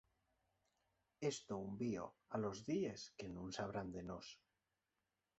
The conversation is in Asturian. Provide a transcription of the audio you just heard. Esto unvio a los díes que nun sabrán de nós.